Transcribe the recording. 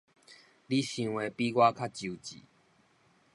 你想的比我較周至